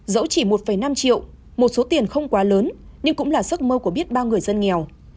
dẫu chỉ một năm triệu một số tiền không quá lớn nhưng cũng là giấc mơ của biết bao người dân nghèo